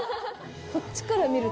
こっちから見ると。